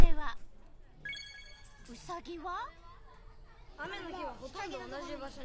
ウサギは？